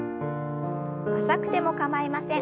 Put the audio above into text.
浅くても構いません。